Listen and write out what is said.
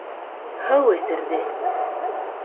Һыу эсерҙе.